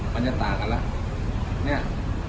มันจะต่างกันแล้ว